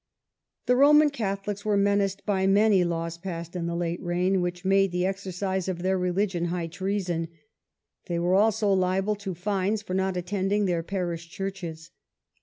The Policy to Roman Catholics were menaced by many Roman laws passed in the late reign, which made the Catholics. exercise of their religion high treason. They were also liable to fines for not attending their parish churches.